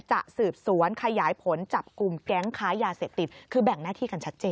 จะสืบสวนขยายผลจับกลุ่มแก๊งค้ายาเสพติดคือแบ่งหน้าที่กันชัดเจน